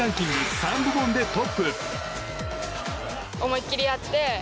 ３部門でトップ。